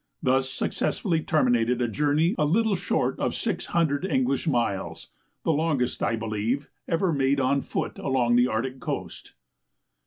Thus successfully terminated a journey little short of 600 English miles, the longest, I believe, ever made on foot along the Arctic coast.